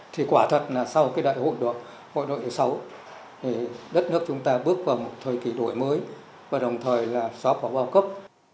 thì quả thật là sau cái đại hội đội sáu đất nước chúng ta bước vào một thời kỳ đổi mới và đồng thời là xóa bỏ bao cấp